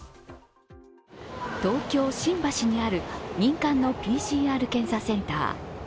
東京・新橋にある民間のＰＣＲ検査センター。